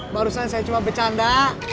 barusan saya cuma bercanda